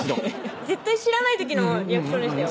絶対知らない時のリアクションでしたよ